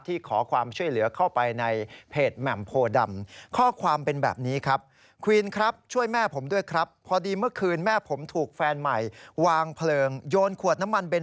ที่ขอความช่วยเหลือเข้าไปในเพจแม่มโพดำ